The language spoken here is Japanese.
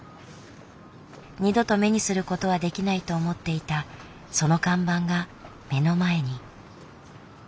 二度と目にすることはできないと思っていたその看板が目の前に。